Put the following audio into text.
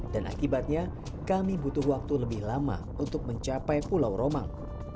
dan akibatnya kami butuh waktu lebih lama untuk mencapai pulau romang